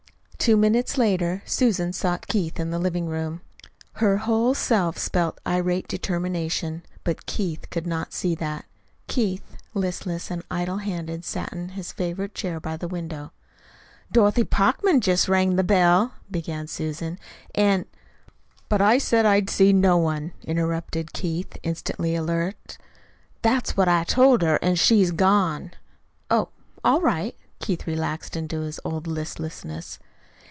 Two minutes later Susan sought Keith in the living room. Her whole self spelt irate determination but Keith could not see that. Keith, listless and idle handed, sat in his favorite chair by the window. "Dorothy Parkman jest rang the bell," began Susan, "an' " "But I said I'd see no one," interrupted Keith, instantly alert. "That's what I told her, an' she's gone." "Oh, all right." Keith relaxed into his old listlessness.